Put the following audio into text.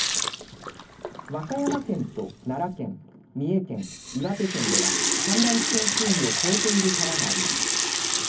和歌山県と奈良県、三重県、岩手県では氾濫危険水位を超えている川があります。